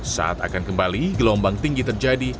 saat akan kembali gelombang tinggi terjadi